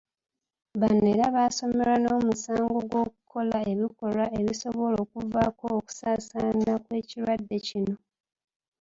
Bano era basoomerwa n'omusango gw'okukola ebikolwa ebisobola okuvaako okusaasaana kw'ekirwadde kino.